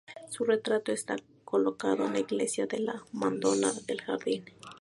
Su retrato está colocado en la iglesia de la Madonna del Jardín.